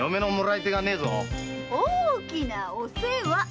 大きなお世話！